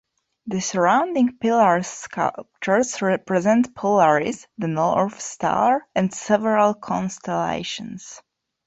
The surrounding pillar sculptures represent Polaris (the North Star) and several constellations.